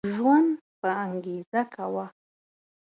ژوند په انګيزه کوه